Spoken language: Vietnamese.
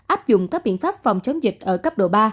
áp dụng các biện pháp phòng chống dịch ở cấp độ ba